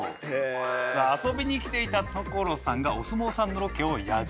さあ遊びに来ていた所さんがお相撲さんのロケを野次馬している。